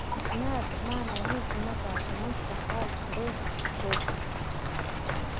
نه اسمان او نه ځمکه زموږ په حال زړه سوځوي.